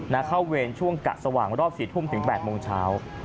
เข้าเวรช่วงกะสว่างรอบ๔ทุ่มถึง๘โมงเช้า